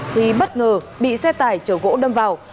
thì bất ngờ bị xe tải chở gỗ đâm vào